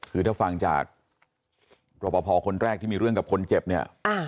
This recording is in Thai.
คือถ้าฟังจากรอปภคนแรกที่มีเรื่องกับคนเจ็บเนี่ย